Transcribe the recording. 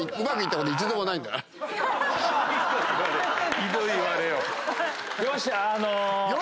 ひどい言われよう。